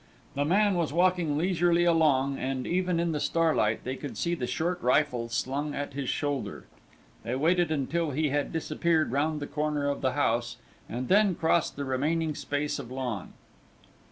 The man was walking leisurely along, and even in the starlight they could see the short rifle slung at his shoulder. They waited until he had disappeared round the corner of the house, and then crossed the remaining space of lawn.